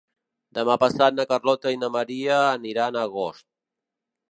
Demà passat na Carlota i na Maria aniran a Agost.